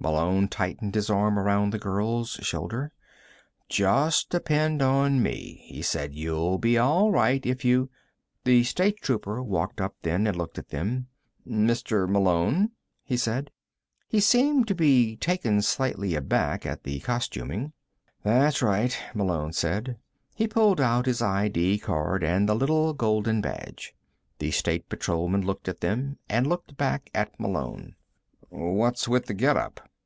Malone tightened his arm around the girl's shoulder. "Just depend on me," he said. "You'll be all right if you " The State Trooper walked up then, and looked at them. "Mr. Malone?" he said. He seemed to be taken slightly aback at the costuming. "That's right," Malone said. He pulled out his ID card and the little golden badge. The State Patrolman looked at them, and looked back at Malone. "What's with the getup?"